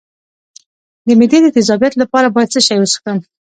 د معدې د تیزابیت لپاره باید څه شی وڅښم؟